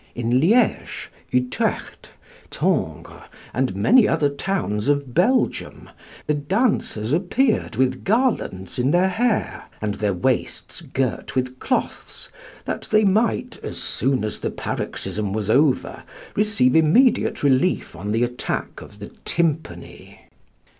In Liege, Utrecht, Tongres, and many other towns of Belgium, the dancers appeared with garlands in their hair, and their waists girt with cloths, that they might, as soon as the paroxysm was over, receive immediate relief on the attack of the tympany.